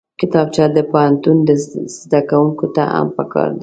کتابچه د پوهنتون زدکوونکو ته هم پکار ده